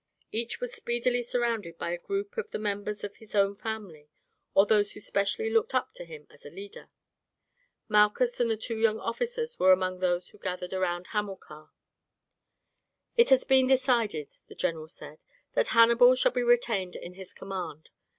Each was speedily surrounded by a group of the members of his own family, or those who specially looked up to him as a leader. Malchus and the two young officers were among those who gathered round Hamilcar. "It has been decided," the general said, "that Hannibal shall be retained in his command.